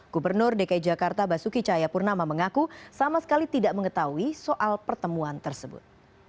gubernur dki jakarta basuki cahayapurnama mengaku sama sekali tidak mengetahui soal pertemuan tersebut